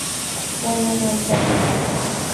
Juana González.